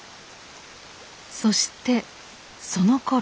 そしてそのころ。